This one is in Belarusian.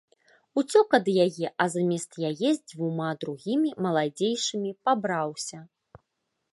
Уцёк ад яе, а замест яе з дзвюма другімі, маладзейшымі, пабраўся.